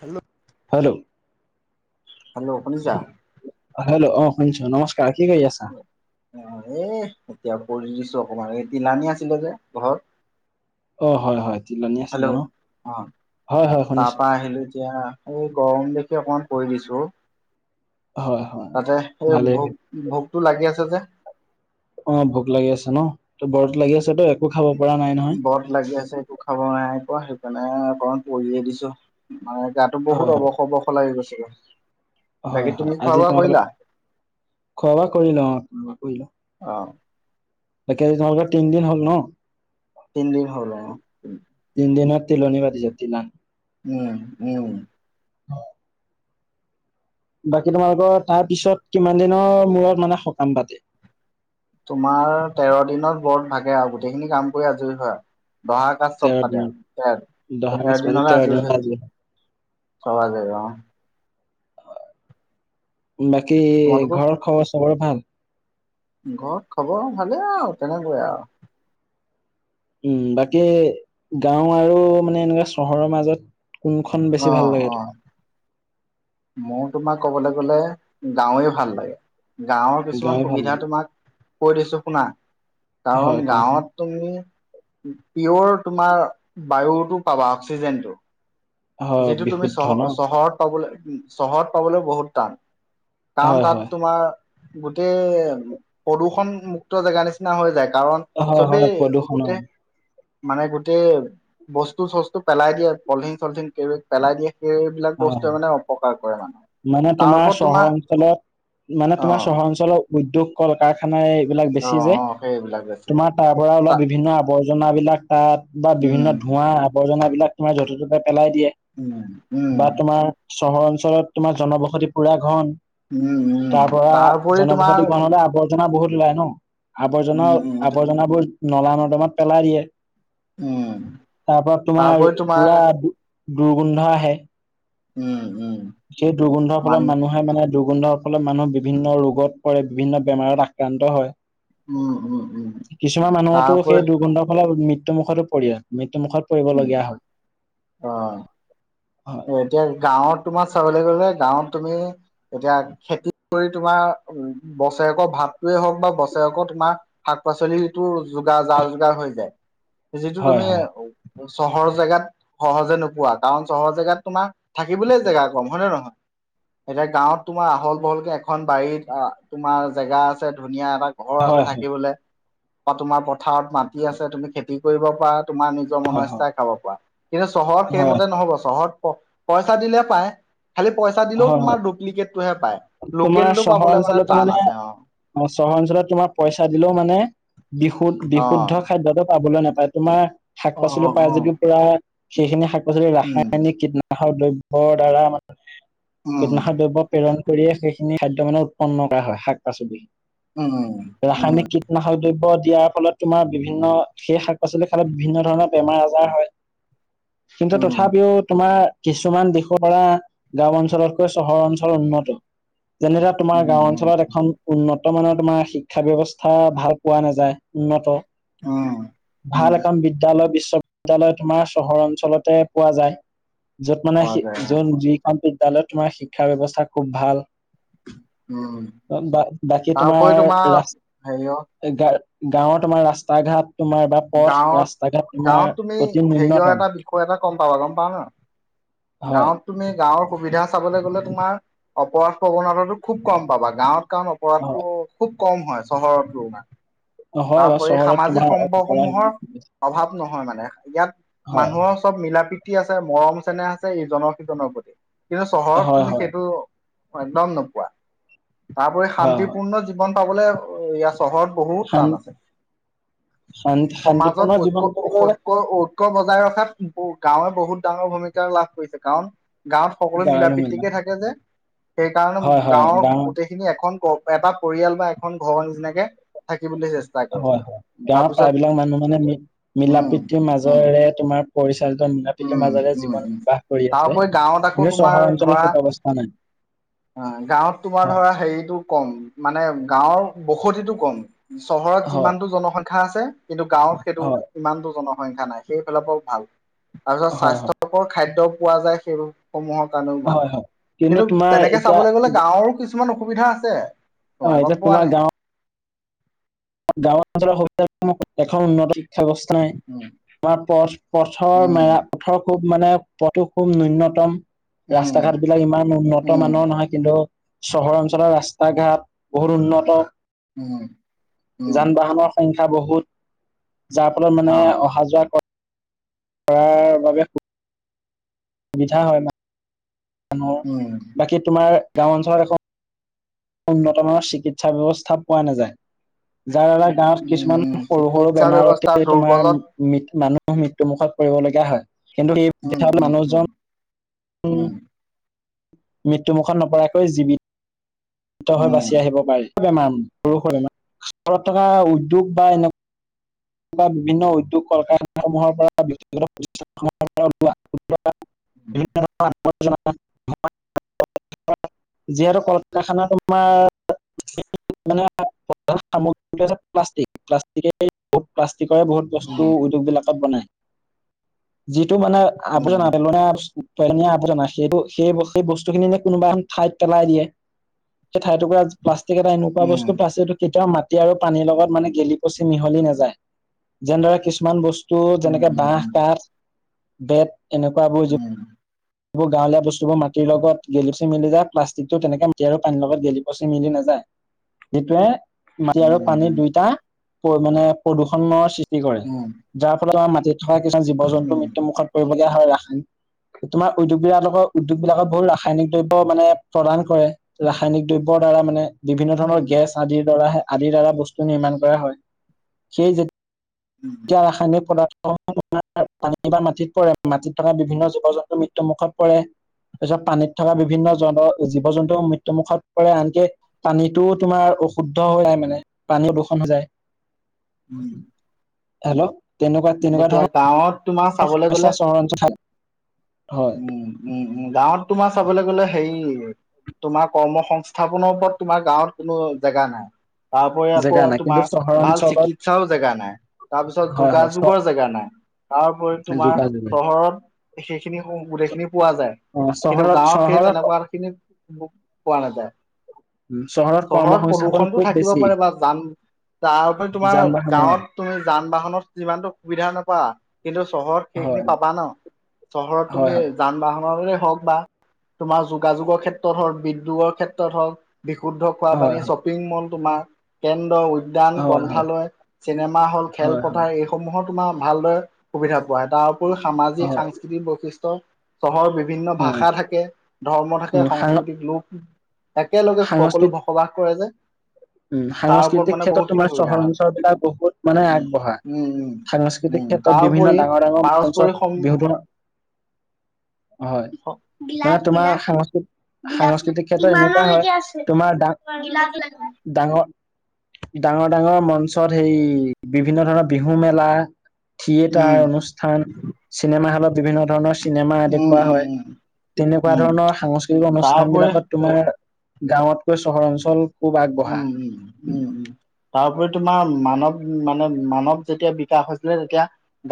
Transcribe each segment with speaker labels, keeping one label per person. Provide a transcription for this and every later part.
Speaker 1: Hello
Speaker 2: hello
Speaker 1: [unintelligible]
Speaker 2: hello অ', শুনিছো নমস্কাৰ কি কৰি আছা?
Speaker 1: অ', এতিয়া কৰি দিছো অকমান এই তিলানী আছিলে যে ঘৰত
Speaker 2: অ', হয়, হয়, তিলনি
Speaker 1: হেল্ল'
Speaker 2: আছিলা ন
Speaker 1: অ',
Speaker 2: হয় হয়
Speaker 1: তাৰ
Speaker 2: শুনিছো
Speaker 1: পৰা আহিলো এতিয়া এই গৰম দেখি, অকমান পৰি দিছো
Speaker 2: হয় হয় অ
Speaker 1: তাতে সেই
Speaker 2: ভালেই
Speaker 1: ভোক ভোকতো লাগি আছে যে
Speaker 2: অ' ভোক লাগি আছে ন, ত' ব্ৰত লাগি আছে তো একো খাব পৰা নাই নহয়।
Speaker 1: বৰত লাগি আছে একো খাব নাই আকৌ, সেইকাৰণে অকমান পৰিয়ে দিছোঁ। মানে, গাটো
Speaker 2: হয়
Speaker 1: বহুত
Speaker 2: হয়
Speaker 1: অৱস অৱস লাগি গৈছিলে। বাকী
Speaker 2: হয়,
Speaker 1: তুমি
Speaker 2: হয়,
Speaker 1: খোৱা
Speaker 2: আজি
Speaker 1: বোৱা কৰিলা?
Speaker 2: তোমালোক, খোৱা বোৱা কৰিলো অ' কৰিলো।
Speaker 1: অ',
Speaker 2: একেদিন [unintelligible] তিনিদিন হ'ল ন।
Speaker 1: তিনিদিন হ'ল অ'।
Speaker 2: তিন দিনত, তিলনি পাতিছে তিলানি
Speaker 1: উম', উম'।
Speaker 2: বাকী, তোমালোকৰ তাৰ পিছত কিমান দিনৰ মূৰত মানে সকাম পাতে।
Speaker 1: তোমাৰ তেৰ দিনত ব্ৰত ভাগে আৰু, গোটেইখিনি কাম কৰি আজৰি হয়। দহা কাজ চব
Speaker 2: তেৰ
Speaker 1: পাতে
Speaker 2: দিনত
Speaker 1: আৰু,
Speaker 2: দহা সাজ
Speaker 1: তেৰ
Speaker 2: পাতি
Speaker 1: দিনত [unintelligible]
Speaker 2: আজি হয়।
Speaker 1: চব [unintelligible] অ'।
Speaker 2: বাকী,
Speaker 1: তোমালোকৰ
Speaker 2: ঘৰৰ খবৰ চবৰ ভাল।
Speaker 1: ঘৰত খবৰ ভালেই আৰু, তেনেকুৱাৱে আৰু।
Speaker 2: উম' বাকী গাঁও আৰু মানে এনেকুৱা চহৰৰ মাজত কোনখন
Speaker 1: অ
Speaker 2: বেছি ভাল
Speaker 1: অ
Speaker 2: লাগে তোমাৰ।
Speaker 1: মোৰ তোমাৰ ক'বলৈ গ'লে, গাওঁৱে ভাল লাগে। গাঁৱৰ কিছুমান
Speaker 2: গাঁৱে ভাল
Speaker 1: সুবিধা
Speaker 2: লাগে,
Speaker 1: তোমাক কৈ দিছোঁ শুনা,
Speaker 2: হয়
Speaker 1: কাৰণ
Speaker 2: কোৱা,
Speaker 1: গাঁৱত তুমি পিয়ৰ তোমাৰ বায়ুটো পাবা অক্সিজেন টো।
Speaker 2: হয়
Speaker 1: যিটো তুমি
Speaker 2: বিশুদ্ধ ন?
Speaker 1: চহ-চহৰত পাবলৈ চহৰত পাবলৈ বহুত টান,
Speaker 2: হয়
Speaker 1: কাৰণ
Speaker 2: হয়,
Speaker 1: তাত তোমাৰ গোটেই প্ৰদূষণ মুুক্ত জেগা নিচিনা হৈ যায় কাৰণ
Speaker 2: হয় হয়
Speaker 1: চবেই
Speaker 2: প্ৰদূষণ অ,
Speaker 1: গোটেই। মানে গোটেই বস্তু চস্তু পেলাই দিয়ে পলিথিন চলথিন কেৰিবাগ পেলাই দিয়ে সেই সেইবিলাক
Speaker 2: হয়
Speaker 1: বস্তুৱে মানে অপকাৰ কৰে মানু্হক,
Speaker 2: মানে
Speaker 1: তাৰ
Speaker 2: তোমাৰ
Speaker 1: ওপৰত
Speaker 2: চহৰ
Speaker 1: তোমা
Speaker 2: অঞ্চলত মানে তোমাৰ চহৰ অঞ্চলৰ উদ্যোগ কল কাৰখানাই এইবিলাক
Speaker 1: অ
Speaker 2: বেছি যে।
Speaker 1: অ সেইবিলাক বেছি
Speaker 2: তোমাৰ তাৰ পৰা ওলোৱা
Speaker 1: তা
Speaker 2: বিভিন্ন আৱৰ্জনাবিলাক তাত বা বিভিন্ন
Speaker 1: উম
Speaker 2: ধোঁৱা আৱৰ্জনাবিলাক। তোমাৰ য'তে ত'তে পেলাই দিয়ে।
Speaker 1: উম।
Speaker 2: বা তোমাৰ চহৰ অঞ্চলত তোমাৰ জনবসতি পুৰা ঘন।
Speaker 1: উম উম
Speaker 2: তাৰ পৰা
Speaker 1: তাৰপৰি তোমাৰ
Speaker 2: জনবসতি ঘন হ'লে আৱৰ জনা বহুত ওলায় ন, আৱৰ্জনা,
Speaker 1: উম উম
Speaker 2: আৱৰ্জনাবোৰ নলা নৰ্দমাত পেলাই দিয়ে।
Speaker 1: উম
Speaker 2: তাৰ পৰা তোমাৰ পুৰা দু-দুৰ্গোন্ধ আহে।
Speaker 1: উম, উম।
Speaker 2: সেই দুৰ্গন্ধৰ ফলত
Speaker 1: মান
Speaker 2: মানুহে মানে দুৰ্গন্ধৰ ফলত মানুহ বিভিন্ন ৰোগত পৰে বিভিন্ন বেমাৰত আক্ৰান্ত হয়।
Speaker 1: উম উম উম
Speaker 2: কিছুমান মানুহতো সেই
Speaker 1: তাৰপৰি
Speaker 2: দুৰ্গোন্ধৰ ফলত মৃত্যুৰ মুুখতো পৰি আছে মৃত্যুৰ মুখত।
Speaker 1: উম, অ'। এতিয়া গাঁৱত তোমাৰ চাবলৈ গ'লে গাঁৱত তুমি এতিয়া খেতি কৰি তোমাৰ উম, বছৰেকৰ ভাতটোৱে হওঁক বা বছৰেকৰ তোমা শাক পাচলিটো যোগাৰ যা যোগাৰ হৈ যায়, যিটো
Speaker 2: হয়
Speaker 1: তুমি
Speaker 2: হয়
Speaker 1: চহৰৰ জেগাত সহজে নোপোৱা কাৰণ চহৰ জেগাত তোমাৰ থাকিবলৈ জেগা কম হয় নে নহয়। এতিয়া গাঁৱত তোমাৰ আহল বহলকে এখন বাৰীত অ', তোমাৰ জেগা আছে, ধুনীয়া এটা ঘৰ আছে
Speaker 2: হয় হয়
Speaker 1: থাকিবলৈ, বা তোমাৰ পথাৰত মাটি আছে তুমি খেতি কৰিব পাৰা তোমাৰ নিজ নিজৰ মনৰ
Speaker 2: হয় হয়
Speaker 1: ইচ্ছাই খাব পৰা কিন্তু চহৰত
Speaker 2: হয় হয়
Speaker 1: সেইমতে নহ'ব চহৰত প-পইচা দিলেই পায়। খালি পইচা দিলেও
Speaker 2: হয় হয়।
Speaker 1: তোমাৰ ডুপ্লিকেটটোহে পায়
Speaker 2: তোমাৰ
Speaker 1: লোকেলটো
Speaker 2: চহৰ
Speaker 1: পাবলৈ মানে
Speaker 2: অঞ্চলতো
Speaker 1: টান আছে অ'।
Speaker 2: অ', চহৰ অঞ্চলত তোমাৰ পইচা দিলেও মানে,
Speaker 1: অ।
Speaker 2: বিশু-বিশুদ্ধ খাদ্যটো পাবলৈ নাপায়। তোমাৰ শাক
Speaker 1: অ অ
Speaker 2: পাচলি পাই
Speaker 1: অ।
Speaker 2: যদিও পুৰা সেইখিনি শাক পাচলি
Speaker 1: উম
Speaker 2: ৰাসায়নিক কীটনাশক। কীটনাশক দ্ৰব্যৰ দ্বাৰা মানে
Speaker 1: উম
Speaker 2: কীটনাশক দ্ৰব্য প্ৰেৰণ কৰিয়ে সেইখিনি খাদ্য মানে উৎপন্ন কৰা হয় শাক পাচলি
Speaker 1: উম উম
Speaker 2: ৰাসায়নিক নাশক দ্ৰব্য দিয়াৰ ফলত তোমাৰ বিভিন্ন সেই শাক পাচলি খালে বিভিন্ন ধৰণৰ বেমাৰ আজাৰ হয়। কিন্তু
Speaker 1: উম
Speaker 2: তথাপিও তোমাৰ। কিছুমান দিশৰ পৰা গাঁও অঞ্চলতকৈ চহৰ অঞ্চল উন্নত। যেনেকা তোমাৰ গাঁও
Speaker 1: উম
Speaker 2: অঞ্চলত এখন উন্ন বৰ্তমানৰ তোমাৰ শিক্ষা ব্যৱস্থা ভাল পোৱা নাযায়, উন্নত।
Speaker 1: উম। উম
Speaker 2: ভাল এখন বিদ্যালয় বিশ্ব বিদ্যয়ালয় তোমাৰ চহৰ অঞ্চলতে পোৱা যায়, যত মানে
Speaker 1: পোৱা যায়
Speaker 2: যত যি যিখন বিদ্যালয়ত তোমাৰ শিক্ষাৰ ব্যৱস্থা খুব ভাল।
Speaker 1: উম
Speaker 2: বা বাকী তোমাৰ ৰা
Speaker 1: হেৰিয়
Speaker 2: গা-গাঁৱৰ তোমাৰ ৰাস্তা ঘাট তোমাৰ বা পথ
Speaker 1: গাঁৱত
Speaker 2: ৰাস্তা ঘাট
Speaker 1: গাঁৱত তুমি
Speaker 2: তোমাৰ অতি
Speaker 1: হেৰিয়ৰ
Speaker 2: নুন্যতম।
Speaker 1: এটা বিষয় এটা গম পাবা গম পাও ন?
Speaker 2: হয়।
Speaker 1: গাঁৱত তুমি গাঁৱৰ সুবিধা চাবলৈ গ'লে তোমাৰ অপৰাধ প্ৰৱণতাতটো খুব কম পাবা গাঁৱত কাৰণ
Speaker 2: হয়
Speaker 1: অপৰাধটো খুব কম হয় চহৰৰ তুলণাত।
Speaker 2: অ, হয় বাৰু চহৰত তোমাৰপ
Speaker 1: অভাৱ নহয় মানে ইয়াত
Speaker 2: হয়
Speaker 1: মানুহৰ চব মিলা পৃতি আছে মৰম চেনেহ আছে। ই জন সিজনৰ প্ৰতি কিন্তু
Speaker 2: হয়
Speaker 1: চহৰত
Speaker 2: হয়
Speaker 1: তুমি
Speaker 2: হয়
Speaker 1: সেইটো একদম নোপোৱা তাৰপৰি
Speaker 2: হয়
Speaker 1: শান্তিপূৰ্ণ জীৱন পাবলৈ ই চহৰত বহুত
Speaker 2: শান
Speaker 1: টান আছে।
Speaker 2: শান
Speaker 1: সমাজত
Speaker 2: শান্তিপূৰ্ণ জীৱন
Speaker 1: ঐকয় অসধ
Speaker 2: গাঁৱৰ
Speaker 1: ঐক্য বজাই ৰখাত গাঁৱে বহুত ডাঙৰ ভূমিকা লাভ কৰিছে। কাৰণ গাঁৱত সকলো মিলা প্ৰতিকে থাক যে সেইকাৰণে
Speaker 2: হয় হয়
Speaker 1: গাঁৱৰ
Speaker 2: গাঁও
Speaker 1: গোটেই খিনি এখন এটা পৰিয়াল বা এখন ঘৰৰ নিচিনাকে থাকিবলৈ চেষ্টা কৰে
Speaker 2: হয়, হয়, গাঁৱৰ
Speaker 1: তাৰপিছত
Speaker 2: প্ৰায়বিলাক মানুহ মানে মিলা
Speaker 1: উম
Speaker 2: প্ৰীতিৰ
Speaker 1: উম
Speaker 2: মাজেৰে তোমাৰ পৰিচালিত মৰাপীকীৰ
Speaker 1: উম
Speaker 2: মাজেৰে
Speaker 1: উম
Speaker 2: জীৱন
Speaker 1: উম
Speaker 2: বিবাহ কৰি আছে
Speaker 1: তাৰপৰি গাঁৱত আকৌ
Speaker 2: কিন্তু চহৰ অঞ্চলত সেইটো অৱস্থা নাই।
Speaker 1: অ, গাঁৱত তোমাৰ
Speaker 2: হয়
Speaker 1: ধৰা হেৰিতটো কম মানে গাঁৱৰ বসতিটো কম। চহৰত
Speaker 2: হয়
Speaker 1: যিমানতটো জনসংখ্যা আছে কিন্তু গাঁৱত সেইটো
Speaker 2: হয়
Speaker 1: ইমানতটো জনসংখ্যা নাই সেইফালৰ পৰা ভাল তাৰপিছত
Speaker 2: হয় হয়
Speaker 1: স্বাস্থ্যকৰ খাদ্য পোৱা যায়। সেইবোৰ সমূহৰ কাৰণেও ভাল
Speaker 2: হয় হয়
Speaker 1: কিন্তু,
Speaker 2: তোমাৰ
Speaker 1: তেনেকে
Speaker 2: এতিয়া
Speaker 1: চাবলৈ গলে গাঁৱৰো কিছুমান অসুবিধা আছে।
Speaker 2: অ,
Speaker 1: গম
Speaker 2: এতিয়া
Speaker 1: পোৱা
Speaker 2: তোমাৰ
Speaker 1: নাই
Speaker 2: গাঁৱত গাঁও অঞ্চলৰ স, এখন উন্নত শিক্ষস্থা নাই
Speaker 1: উম
Speaker 2: আমাৰ পথ-পথৰ
Speaker 1: উম
Speaker 2: মেৰা পথৰ খুব মানে পথটো খুব [unintelligible] ৰাস্তা ঘাট বিলাক ইমান উন্নত মানৰ নহয়। কিন্তু চহৰ অঞ্চলৰ ৰাস্তা ঘাট বহুত উন্নত
Speaker 1: উম।
Speaker 2: যান বাহনৰ সংখ্যা বহুত যাৰ ফলত মানে অহা যোৱোৱা কৰাৰ বাবে সুবিধা হয় মানুহৰ বাকী তোমাৰ গাঁও অঞ্চলত এ উন্নত মানৰ চিকিৎসা ব্যৱস্থা পোৱা নাযায়, যাৰ দ্বাৰা গাঁত কিছুমান সৰু, সৰু
Speaker 1: ব্যৱস্থা
Speaker 2: বেমাৰতে তোমাৰ
Speaker 1: দুৰ্বলত
Speaker 2: ম-মানুহ মৃত্যু মুুখত পৰিবলগীয়া হয়। কিন্তু সেই
Speaker 1: উম
Speaker 2: বিশাল
Speaker 1: উম উম
Speaker 2: মানুহজন উ মৃত্যুখ নপৰাকৈ জীৱিত হৈ বাচি
Speaker 1: উম
Speaker 2: আহিব পাৰে বেমাৰ সৰুষ বেমাৰ ঘৰত থকা উদ্যোগ বা এনেকুৱা বা বিভিন্ন উদ্যোগ কল-কাৰখানাসমূহৰ পৰাগত। [unintelligible] যিহেতু কলকাখানা তোমাৰ মানে প্ৰধান সামগ্ৰী প্লাষ্টিক, প্লাষ্টিকে ব প্লাষ্টিকৰে বহুত বস্তু উদ্যোগ বিলাকত বনাই। যিটো মানে
Speaker 1: উম উম
Speaker 2: আৱৰ্জনা পেলনীয়া, পেলনীয়া আৱৰ্জনা সেইটো, সেই, সেই বস্তু খিনি নে কোনোবা এখন ঠাইত পেলাই দিয়ে সেই ঠাইটুকুৰা প্লাষ্টিক এটা এনেকুৱা বস্তু প্লাষ্টিকটো কেতিয়াও মা টি আৰু পানীৰ লগত মানে গেলি, পচি মিহলি নাযায় যেনেদৰে কিছুমান বস্তু টো
Speaker 1: উম উম উম
Speaker 2: যেনেকে বাহ কাঠ বেত এনেকুৱা বোৰ
Speaker 1: উম।
Speaker 2: এইবোৰ গাঁৱলীয়া বস্তু বোৰ মাটিৰ লগত গেলি, পচি, মিলি যায় প্লাষ্টিক টো তেনেকে মাটি আৰু পানীৰ লগত গেলি, পচি, মিলি নাযায়। যিটোৱে মাটি
Speaker 1: উম
Speaker 2: আৰু
Speaker 1: উম
Speaker 2: পানীৰ দুইটা মানে প্ৰদূষণৰ সৃষ্টি কৰে।
Speaker 1: উম উম
Speaker 2: যাৰ ফলত আমাৰ মাটিত থকা কিছুমান
Speaker 1: উম
Speaker 2: জীৱ-জন্তুৰ মৃত্যুমুখত পৰিলগীয়া হয় ৰাসায়ন তোমাৰ উদ্যোগবিলাকৰ, উদ্যোগবিলাকত বহুত ৰাসায়নিক দ্ৰব্য মানে প্ৰদান কৰে। ৰাসায়নিক দ্ৰব্যৰ দ্বাৰা মানে বিভিন্ন
Speaker 1: উম উম
Speaker 2: ধৰণৰ গেছ আদিৰ দ্বাৰা, আদিৰ দ্বাৰা বস্তু নিৰ্মাণ কৰা হয় সেই যে
Speaker 1: উম, উম।
Speaker 2: এতিয়া ৰাসায়নিক পদাৰ্থ পানী বা মাটিত পৰে মাটিত থকা বিভিন্ন জীৱ-জন্তু মৃত্যু মুখত পৰে। তাৰপিছত পানীত থকা বিভিন্ন জল জীৱ-জন্তু মৃত্যুমুখত পৰে আনকি পানীটো তোমাৰ অশুদ্ধ হৈ আহে মানে পানীও, দূষণ হৈ যায়।
Speaker 1: উম।
Speaker 2: হেল্ল, তেনেকুৱা তেনেকুৱা
Speaker 1: এতিয়া
Speaker 2: ধৰণৰ।
Speaker 1: গাঁৱত। তোমাৰ চাবলৈ গ'লে
Speaker 2: সমস্যা চহৰাঞ্চল
Speaker 1: উম, উম, উম, গাঁৱত তোমাৰ চাবলৈ গলে হেৰি। তোমাৰ কৰ্ম সংস্থাপনৰ ওপৰত তোমাৰ গাঁৱত কোনো জেগা নাই। তাৰপৰি আকৌ
Speaker 2: জেগা নাই কিন্তু
Speaker 1: তোমাৰ
Speaker 2: চহৰ
Speaker 1: ভাল
Speaker 2: অঞ্চলত
Speaker 1: চিকিৎসাও জেগা নাই। তাৰপিছত
Speaker 2: হয় হয়
Speaker 1: যোগাযোগৰ
Speaker 2: চ
Speaker 1: জেগা নাই তাৰোপৰি তোমাৰ
Speaker 2: যোগাযোগৰ
Speaker 1: চহৰত। খিনি গোটেই খিনি পোৱা যায়
Speaker 2: অ
Speaker 1: কিন্তু
Speaker 2: চহৰত
Speaker 1: গাঁৱত সেই
Speaker 2: চহৰত
Speaker 1: তেনেকুৱা খিনি। পোৱা নাযায়।
Speaker 2: কৰ্ম
Speaker 1: চহৰত
Speaker 2: সংস্থাপন
Speaker 1: প্ৰদূষণতটো
Speaker 2: খুব
Speaker 1: থাকিব
Speaker 2: বেছি
Speaker 1: পাৰে বা যান তাৰ উপৰি তোমাৰ
Speaker 2: যান বাহনৰ
Speaker 1: গাঁৱত তুমি যান বাহনত যিমানতো সুবিধা নাপা কিন্তু চহৰত সেইখিনি
Speaker 2: হয়
Speaker 1: পাবা ন, চহৰত
Speaker 2: হয়
Speaker 1: তুমি। যান বাহনৰে হওক, বা তোমাৰ যোগাযোগৰ ক্ষেত্ৰত হওক, বিদ্যোগৰ ক্ষেত্ৰত হওক, বিশুদ্ধ খোৱা
Speaker 2: হয়
Speaker 1: পানী
Speaker 2: হয়
Speaker 1: শ্বপিং মল তোমাৰ। কেন্দ্ৰ উদ্যান
Speaker 2: হয়
Speaker 1: গ্ৰন্থালয় চিনেমা হ'ল
Speaker 2: হয়
Speaker 1: খেলপথাৰ এই। সমূহৰ তোমাৰ ভালদৰে সুবিধা পোৱা হয় তাৰ উপৰিও
Speaker 2: হয়
Speaker 1: সামাজিক
Speaker 2: হয়
Speaker 1: সাংস্কৃতিক বৈশিষ্ট্য। চহৰৰ বিভিন্ন
Speaker 2: উম
Speaker 1: ভাষা থাকে ধৰ্ম
Speaker 2: উম
Speaker 1: থাকে
Speaker 2: সাং
Speaker 1: সংস্কৃতিক লোক। একেলগে সকলো
Speaker 2: সাংস্কৃত
Speaker 1: বসবাস কৰে যে।
Speaker 2: উম,
Speaker 1: তাৰ ওপৰত
Speaker 2: সাংস্কৃতিক
Speaker 1: মানে
Speaker 2: ক্ষেত্ৰত
Speaker 1: বহুত খিনি
Speaker 2: তোমাৰ
Speaker 1: সুবিধা
Speaker 2: চহৰ
Speaker 1: হয়
Speaker 2: অঞ্চল বিলাক বহুত মানে
Speaker 1: উম
Speaker 2: আগবঢ়া।
Speaker 1: উম উম
Speaker 2: সাংস্কৃতিক
Speaker 1: উম
Speaker 2: ক্ষেত্ৰত বিভিন্ন
Speaker 1: তাৰপৰি
Speaker 2: ডাঙৰ ডাঙৰ
Speaker 1: পাৰস্পৰিক
Speaker 2: মঞ্চত বিহুট
Speaker 1: গিলাপ
Speaker 2: তোমাৰ
Speaker 1: গিলাপ
Speaker 2: সাংস্কৃত
Speaker 1: বিলাস ল,
Speaker 2: সাংস্কৃতিক ক্ষেত্ৰত এনেকুৱা হয়
Speaker 1: ইমানলৈকে আছে
Speaker 2: ডা
Speaker 1: তোমাৰ বিলাস লাই।
Speaker 2: ডাঙৰ, ডাঙৰ ডাঙৰ মঞ্চত সেই বিভিন্ন ধৰণৰ বিহু মেলা।
Speaker 1: উম
Speaker 2: থিয়েটাৰ অনুষ্ঠান চিনেমা হ'লত বিভিন্ন ধৰণৰ চি চিনেমা দেখুওৱা হয়। তেনেকুৱা ধৰণৰ সাংস্কৃতিক অনুষ্ঠান বিলাকত তোমাৰ। গাঁৱতকৈ চহৰ অঞ্চল খুব আগ
Speaker 1: উম, উম, উম, উম, তাৰপৰি তোমাৰ মানৱ। উম, মানে মানৱ যেতিয়া বিকাশ হৈছিলে তেতিয়া।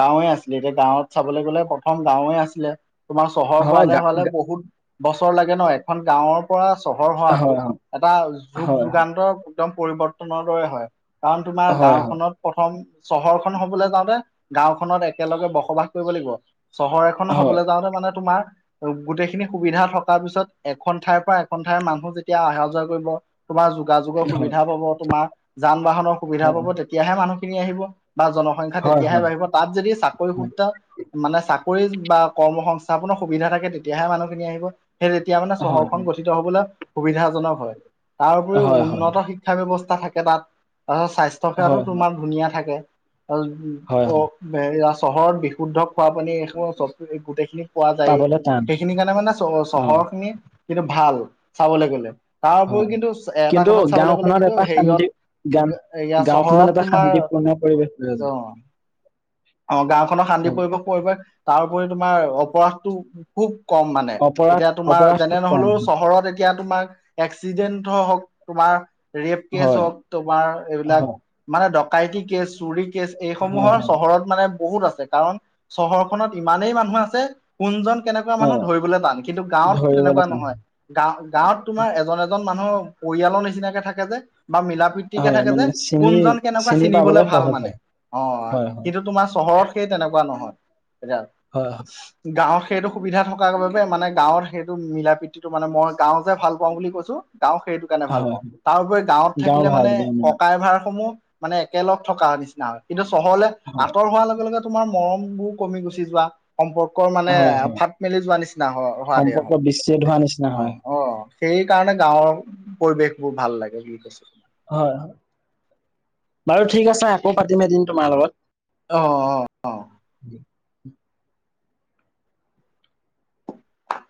Speaker 1: গাঁৱে আছিলে এতিয়া গাঁৱত চাবলৈ গ'লে প্ৰথম গাঁৱে আছিলে। তোমাৰ চহৰ
Speaker 2: হয়
Speaker 1: হোৱালে
Speaker 2: গা
Speaker 1: হোৱালে
Speaker 2: গা
Speaker 1: বহুত বছৰ লাগে ন, এখন গাঁৱৰ। পৰা চহৰ হোৱাটো
Speaker 2: হয় হয়
Speaker 1: এটা যুগ
Speaker 2: হয়
Speaker 1: যুগান্তৰ একদম পৰিৱৰ্তনৰ দৰে হয়। কাৰণ তোমাৰ
Speaker 2: হয়
Speaker 1: গাঁওখনত। প্ৰথম চহৰখন হ'বলৈ যাওঁতে গাঁওখনত একেলগে বসবাস কৰিব লাগিব। চহৰ এখন
Speaker 2: হয়
Speaker 1: হবলৈ যাওঁতে মানে তোমাৰ। গোটেইখিনি সুবিধা থকাৰ পিছত এখন ঠাইৰ পৰা এখন ঠাইৰ মানুহ যেতিয়া অহা যোৱা কৰিব। তোমাৰ যোগাযোগৰ
Speaker 2: হয়
Speaker 1: সুবিধা পাব তোমাৰ যান বাহনৰ সুবিধা
Speaker 2: হয়
Speaker 1: পাব তে তেতিয়াহে মানুহখিনি আহিব বা জনসংখ্যা
Speaker 2: হয়
Speaker 1: তেতিয়াহে
Speaker 2: হয় হয়
Speaker 1: বাঢ়িব তাত যদি চাকৰি সূত্ৰে মানে চাকৰি বা কৰ্ম সংস্থাপনৰ সুবিধা থাকে তেতিয়াহে মানুহখিনি আহিব। সেই তেতিয়া মানে
Speaker 2: হয় হয়
Speaker 1: চহৰখন গঠিত হ'বলৈ সুবিধাজনক হয় তাৰপৰিও
Speaker 2: হয়
Speaker 1: উন্নত শ শিক্ষা ব্য্ৱস্থা থাকে তাত তাৰপিছত স্বাস্থ্য সেৱাতো
Speaker 2: হয়
Speaker 1: তোমাৰ ধুনীয়া থাকে।
Speaker 2: হয় হয়
Speaker 1: চহৰত বিশুদ্ধ খোৱা পানী এই চব, গোটেইখিনি। পোৱা যায়
Speaker 2: পাবলৈ টান
Speaker 1: সেইখিনি কাৰণে মানে চ,
Speaker 2: অ
Speaker 1: চহৰ খিনি কিু ভাল চাবলৈ গ'লে কাৰ
Speaker 2: হয়
Speaker 1: তাৰ কিন্তু এটা
Speaker 2: কিন্তু
Speaker 1: কথাত চাবলৈ গলে
Speaker 2: গাঁওখনত
Speaker 1: কিন্তু
Speaker 2: এটা শান্তি গান
Speaker 1: হেৰিয়তয়া
Speaker 2: গাঁওখনত
Speaker 1: চহৰত
Speaker 2: এটা
Speaker 1: তোমাৰ।
Speaker 2: শান্তিপূৰ্ণ পৰিৱেশ হৈ
Speaker 1: অ,
Speaker 2: আছে হয়।
Speaker 1: অ, গাওঁখনৰ শান্তি পৰিৱেশ কৰিব তাৰপৰি তোমাৰ অপৰাধটো খুব কম মানে
Speaker 2: অপৰাধ
Speaker 1: এতিয়া তোমাৰ
Speaker 2: অপৰাধ
Speaker 1: যেনে
Speaker 2: খুব কম
Speaker 1: নহ'লেও চহৰত। এতিয়া তোমাৰ এক্সিডেন্ট হ'ওক তোমাৰ ৰেপ কেচ
Speaker 2: হয়
Speaker 1: হ'ওক তোমাৰ এইবিলাক।
Speaker 2: হয়
Speaker 1: মানে ডকাইত কেচ চুৰি কেচ
Speaker 2: হয় হয়
Speaker 1: এইসমূহৰ
Speaker 2: হয়
Speaker 1: চহৰত। মানে বহুত আছে কাৰণ, চহৰখননত ইমানেই মানুহ আছে। কোনজন কেনেকুৱা
Speaker 2: অ
Speaker 1: মানুহ ধৰিবলৈ টান কিন্তু গাঁৱত
Speaker 2: ধৰিবলৈ
Speaker 1: তেনেকুৱা
Speaker 2: টান
Speaker 1: নহয়। গা-গাঁৱত তোমাৰ এজন এজন মানুহ পৰিয়ালৰ নিচিনাকে থাকে যে বা মিলা প্ৰীতি তিকে
Speaker 2: হয়
Speaker 1: থাকে যে,
Speaker 2: মানে চিনি
Speaker 1: কোনজন কেনেকুৱা
Speaker 2: চিনি
Speaker 1: চিনিবলে
Speaker 2: পাবলৈ
Speaker 1: ভাল
Speaker 2: সহজ
Speaker 1: মানে, অ'।
Speaker 2: হয় হয়
Speaker 1: কিন্তু তোমাৰ চহৰত সেই তেনেকুৱা নহয়। এতি
Speaker 2: হয় হয়।
Speaker 1: গাঁৱত সেইটো সুবিধা থকাৰ বাবে মানে গাঁৱত সেইটো মিলা প্ৰীতিটো মানে মই গাঁও যে ভাল পাওঁ বুলি কৈছোঁ। গাওঁ সেইটো কাৰণে
Speaker 2: হয়
Speaker 1: ভাল
Speaker 2: হয়
Speaker 1: পাওঁ, তাৰ উপৰি গাঁৱত
Speaker 2: গাঁও
Speaker 1: থাকিলে
Speaker 2: ভাল
Speaker 1: মানে
Speaker 2: গাঁও বিলাক
Speaker 1: ককাই ভাইসমূহ মানে একেলগ থকাৰ নিচিনা কিন্তু চহৰ
Speaker 2: হয়
Speaker 1: আঁতৰ হোৱাৰ লগে লগে তোমাৰ মৰমবোৰ কমি গুচি যোৱা। সম্পৰ্কৰ মানে
Speaker 2: হয় হয়
Speaker 1: ফাট মেলি যোৱা নিচিনা হ হোৱা দে
Speaker 2: সম্পৰ্ক
Speaker 1: হয়।
Speaker 2: বিচ্ছেদ হোৱা নিচিনা
Speaker 1: অ',
Speaker 2: হয়
Speaker 1: অ' সেই কাৰণে গাঁৱৰ পৰিৱেশবোৰ ভাল লাগে বুলি কৈছোঁ।
Speaker 2: হয় হয়। বাৰু ঠিক আছে আকৌ পাতিম এদিন তোমাৰ লগত।
Speaker 1: অ' অ'। অ